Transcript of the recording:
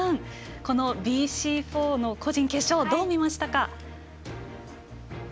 このＢＣ４の個人決勝、どう見ましたか。